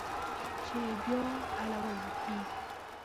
چې بیا حلول وکړي